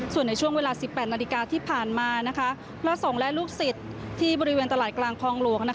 ส่วนในช่วงเวลา๑๘นาฬิกาที่ผ่านมาพระสงฆ์และลูกศิษย์ที่บริเวณตลาดกลางคลองหลวง